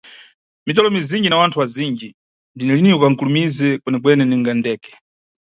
Mitolo mizinji na wanthu azinji, ndine lini wa kankulumize kwene-kwene ninga ndeke.